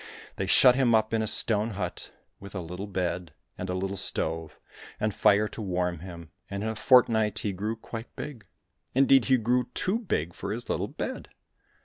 They shut him up in a stone hut, with a little bed and a little stove and fire to warm him, and in a fort night he grew quite big, indeed he grew too big for his little bed.